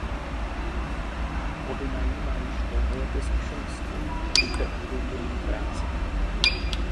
Podunají má již dlouholeté zkušenosti, pokud jde o kulturní spolupráci.